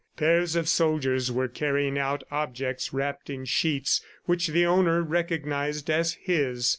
Pairs of soldiers were carrying out objects wrapped in sheets which the owner recognized as his.